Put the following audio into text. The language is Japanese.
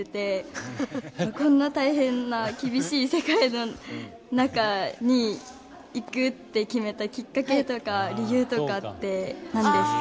こんな大変な厳しい世界の中にいくって決めたきっかけとか理由とかって何ですか？